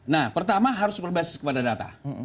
nah pertama harus berbasis kepada data